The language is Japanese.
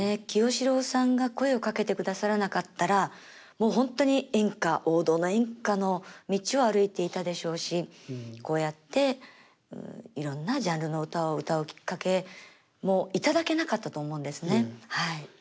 清志郎さんが声をかけてくださらなかったらもう本当に演歌王道の演歌の道を歩いていたでしょうしこうやっていろんなジャンルの歌を歌うきっかけも頂けなかったと思うんですねはい。